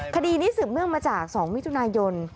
คดีนี้สืบเนื่องมาจาก๒มิถุนายน